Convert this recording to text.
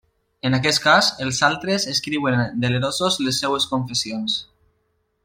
En aquest cas els altres escriuen delerosos les seves confessions.